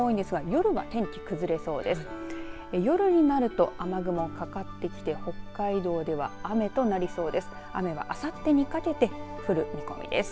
夜になると雨雲がかかってきて北海道では、雨となりそうです。